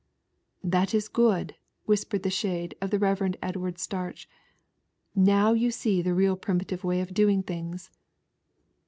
"That is good," whispered the shade of the Re\. Edward Starch, '' now you see the real primitive way of doing things."